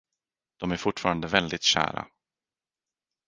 De är fortfarande väldigt kära.